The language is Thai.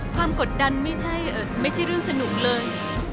ความกดดันไม่ใช่ไม่ใช่เรื่องสนุกเลย